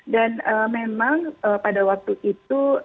dan memang pada waktu itu